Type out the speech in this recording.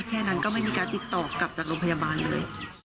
แค่นั้นก็ไม่มีการติดต่อกลับจากโรงพยาบาลเลย